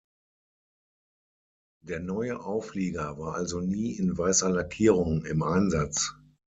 Der neue Auflieger war also nie in weißer Lackierung im Einsatz.